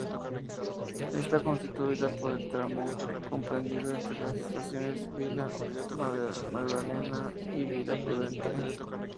Está constituida por el tramo comprendido entre las estaciones Vila Madalena y Vila Prudente.